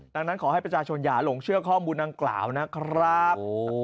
ดังนั้นขอให้ประชาชนอย่าหลงเชื่อข้อมูลดังกล่าวนะครับ